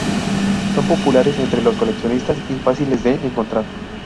Son populares entre los coleccionistas y fáciles de encontrar.